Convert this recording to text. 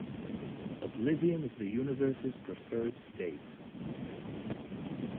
Oblivion is the universe's preferred state.